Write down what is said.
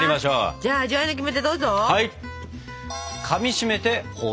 じゃあ味わいのキメテどうぞ！